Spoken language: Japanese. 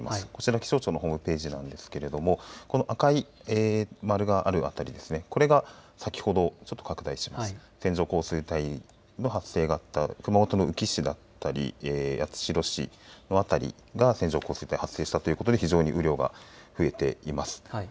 気象庁のホームページなんですけれど赤い丸がある辺り、これが先ほど線状降水帯の発生があった熊本の宇城市だったり八代市の辺りが線状降水帯、発生したということで非常に雨量が増えています。